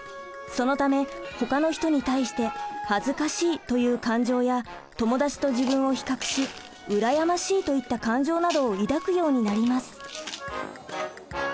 そのためほかの人に対して「恥ずかしい」という感情や友達と自分を比較し「羨ましい」といった感情などを抱くようになります。